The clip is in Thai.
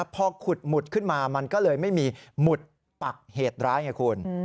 พอขุดหมุดขึ้นมามันก็เลยไม่มีหมุดปักเหตุร้ายไงคุณ